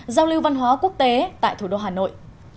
giao lưu văn hóa quốc tế tại thủ đô hà nội